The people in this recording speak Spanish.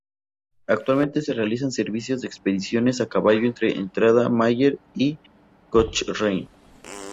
Actualmente se realizan servicios de expediciones a caballo entre Entrada Mayer y Cochrane.